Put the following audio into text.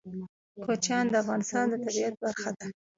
کوچیان د افغانستان د طبیعت برخه ده.